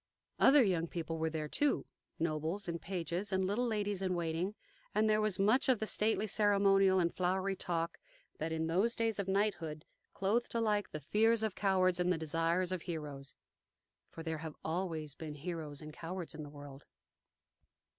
(1) Now Northeastern France. Other young people were there, too, nobles and pages and little ladies in waiting; and there was much of the stately ceremonial and flowery talk that in those days of knighthood clothed alike the fears of cowards and the desires of heroes. For there have always been heroes and cowards in the world.